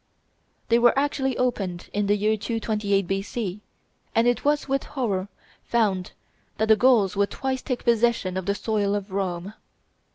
They were actually opened in the year 228 B.C., and it was with terror found that the Gauls would twice take possession of the soil of Rome.